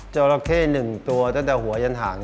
เจ้าระเข้หนึ่งตัวตั้งแต่หัวยันห่าง